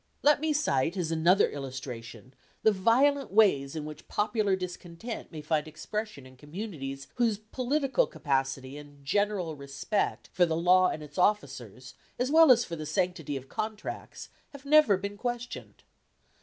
Let me cite as another illustration the violent ways in which popular discontent may find expression in communities whose political capacity and general respect for the law and its officers, as well as for the sanctity of contracts, have never been questioned.